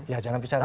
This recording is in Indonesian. ya jangan bicara